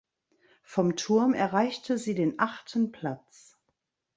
Vom Turm erreichte sie den achten Platz.